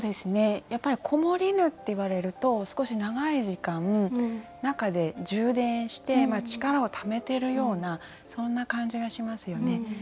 やっぱり「こもりぬ」って言われると少し長い時間中で充電して力をためてるようなそんな感じがしますよね。